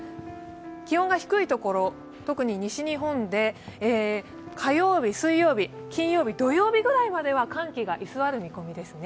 気温が低いところ、特に西日本で火曜日、水曜日、金曜日、土曜日ぐらいまでは寒気が居座る見込みですね。